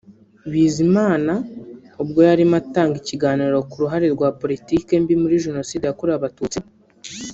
Bizimana ubwo yarimo atanga ikiganiro ku ruhare rwa politiki mbi muri Jenoside yakorewe Abatutsi